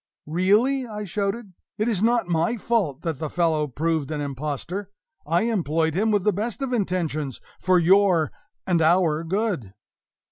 "Really," I shouted, "it is not my fault that the fellow proved an impostor. I employed him with the best of intentions, for your and our good!"